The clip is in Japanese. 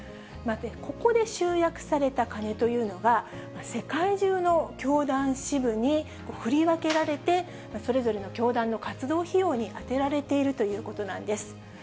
ここで集約されたカネというのが、世界中の教団支部に振り分けられて、それぞれの教団の活動費用に充てられているということなんです。